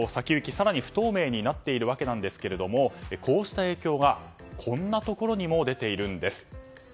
更に不透明になっていますがこうした影響がこんなところにも出ているんです。